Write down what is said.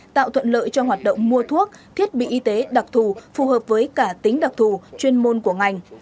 tạo thuận lợi cho hoạt động mua thuốc thiết bị y tế đặc thù phù hợp với cả tính đặc thù chuyên môn của ngành